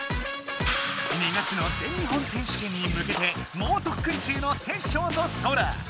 ２月の全日本選手権にむけてもうとっくん中のテッショウとソラ。